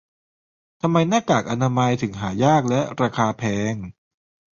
ทำไมหน้ากากอนามัยถึงหายากและราคาแพง